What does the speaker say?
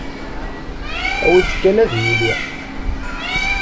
Awi-d kan ad yili!